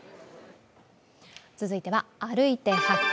続いては「歩いて発見！